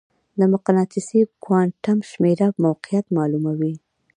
د مقناطیسي کوانټم شمېره موقعیت معلوموي.